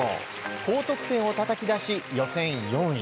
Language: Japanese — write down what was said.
高得点をたたき出し、予選４位。